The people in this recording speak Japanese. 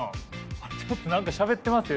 あっちょっと何かしゃべってますよ。